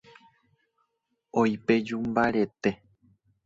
Oipeju mbarete.